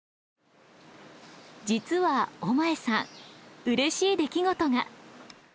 実は尾前さんうれしい出来事が。